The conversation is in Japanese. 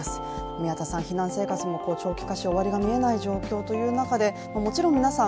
宮田さん、避難生活も長期化し終わりが見えない状況ということでもちろん皆さん